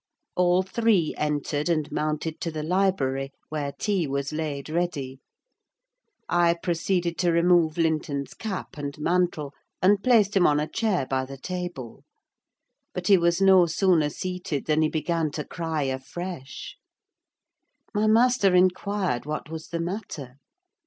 All three entered, and mounted to the library, where tea was laid ready. I proceeded to remove Linton's cap and mantle, and placed him on a chair by the table; but he was no sooner seated than he began to cry afresh. My master inquired what was the matter.